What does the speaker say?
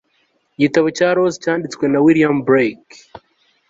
Igitabo cya Los cyanditswe na William Blake